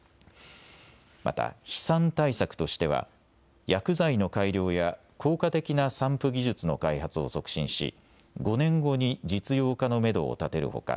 また、飛散対策としては、薬剤の改良や効果的な散布技術の開発を促進し、５年後に実用化のメドを立てるほか、